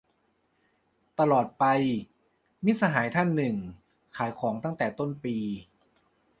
ตลอดไป - มิตรสหายท่านหนึ่ง ขายของตั้งแต่ต้นปี